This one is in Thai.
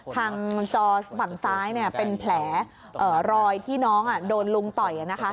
ทางจอฝั่งซ้ายเป็นแผลรอยที่น้องโดนลุงต่อย